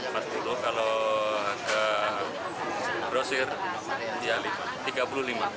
kalau harga brosir rp tiga puluh lima